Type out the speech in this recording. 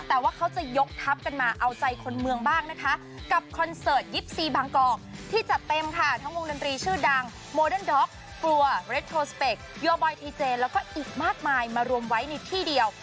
แต่ว่าเขาจะยกทัพกันมาเอาใจคนเมืองบ้างนะคะกับคอนเสิร์ตยิปซีบางกอกที่จัดเต็มค่ะทั้งวงดนตรีชื่อดังโมเดิร์นด็อกกลัวเรทโทสเปคโยบอยทีเจแล้วก็อีกมากมายมารวมไว้ในที่เดียว